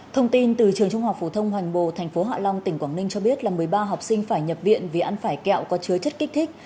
thông tin từ trường trung học phổ thông hoành bồ tp hạ long tỉnh quảng ninh cho biết là một mươi ba học sinh phải nhập viện vì ăn phải kẹo có chứa chất kích thích